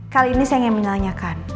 kali ini saya ingin menanyakan